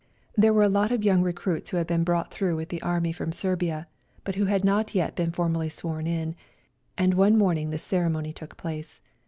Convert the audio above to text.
There were a lot of young recruits who had been brought through with the Army from Serbia, but who had not yet been formally sworn in, and one morning this ceremony took place.